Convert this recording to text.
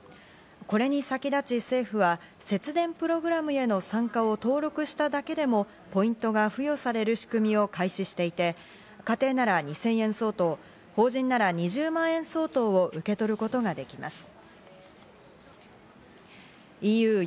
これに先立ち、政府は節電プログラムへの参加を登録しただけでもポイントが付与される仕組みを開始していて、家庭なら２０００円相当、法人なら２０万円相当を受け取ることができます。